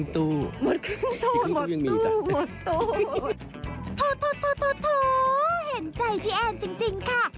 เห็นใจพี่แอนจริงค่ะ